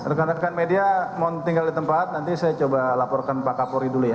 rekan rekan media mohon tinggal di tempat nanti saya coba laporkan pak kapolri dulu ya